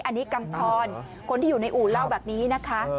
อันนี้กำพรคนที่อยู่ในอู่เล่าแบบนี้นะคะ